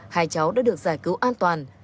hai cháu đã được giải cứu an toàn